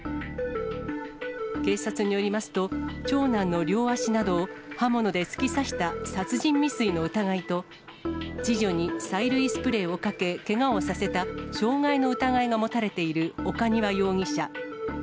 警察によりますと、長男の両足などを刃物で突き刺した殺人未遂の疑いと、次女に催涙スプレーをかけけがをさせた傷害の疑いが持たれている岡庭容疑者。